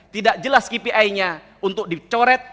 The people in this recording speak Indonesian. tidak jelas kpi nya untuk dicoret